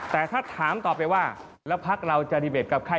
แต่ถ้าถามต่อไปว่าแล้วพักเราจะดีเบตกับใคร